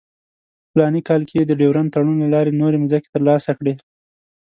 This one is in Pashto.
په فلاني کال کې یې د ډیورنډ تړون له لارې نورې مځکې ترلاسه کړې.